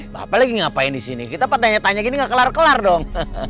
bapak lagi ngapain disini kita patahnya tanya gini gak kelar kelar dong